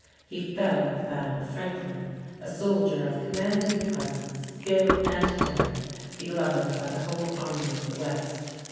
He fell at the battle of Franklin a soldier of commanding presence, skill, and daring, beloved by the whole Army of the West.